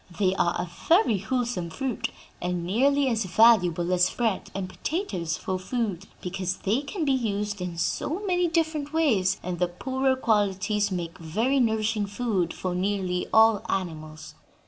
They are a very wholesome fruit and nearly as valuable as bread and potatoes for food, because they can be used in so many different ways, and the poorer qualities make very nourishing food for nearly all animals."